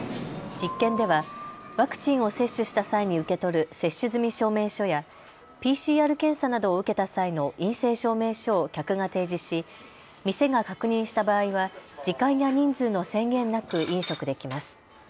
実験ではワクチンを接種した際に受け取る接種済み証明書やＰＣＲ検査などを受けた際の陰性証明書を客が提示し店が確認した場合は時間や人数の制限なく飲食できます。